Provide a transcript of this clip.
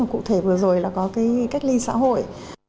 cụ thể vừa rồi là có cái cách ly xã hội